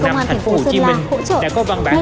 trong khi đó tiểu thương cho biết